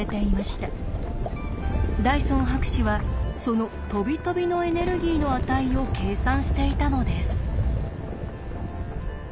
ダイソン博士はそのとびとびのエネルギーの値を計算していたのです。